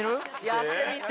やってみて。